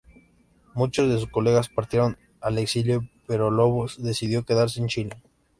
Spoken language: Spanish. Muchos de sus colegas partieron al exilio, pero Lobos decidió quedarse en Chile.